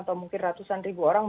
atau mungkin ratusan ribu orang